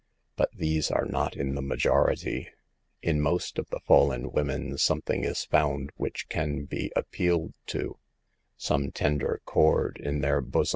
But these are not in the majority. In most of the fallen women something is found which can be appealed to ; some tender chord in their bos 244 SAVE THE GIRLS.